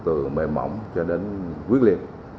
từ mềm mỏng cho đến quyết liệt